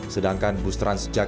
sedangkan bus trans jakarta